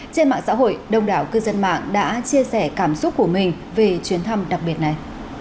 trên mạng xã hội đông đảo cư dân mạng đã chia sẻ cảm xúc của mình về chuyến thăm đặc biệt này